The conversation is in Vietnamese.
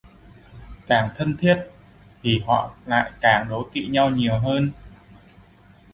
Càng thân thiết thì họ lại càng đố kị nhau nhiều hơn